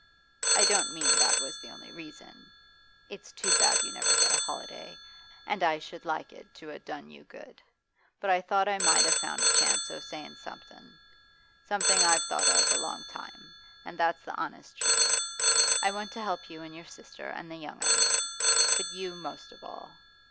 I don't mean that was the only reason; it's too bad you never get a holiday, and I should like it to a' done you good. But I thought I might a' found a chance o' sayin' something, something I've thought of a long time, and that's the honest truth. I want to help you and your sister and the young 'uns, but you most of all.